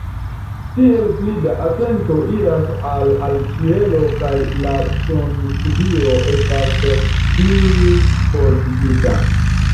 Tiel pli da atento iras al al ĉielo kaj la sunsubiro estas plifortigita.